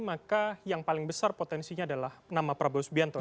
maka yang paling besar potensinya adalah nama prabowo subianto